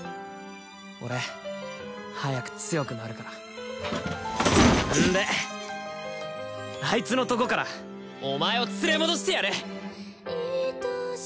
俺早く強くなるからんであいつのとこからお前を連れ戻してやる！